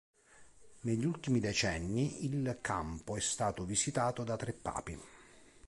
Negli ultimi decenni, il campo è stato visitato da tre papi.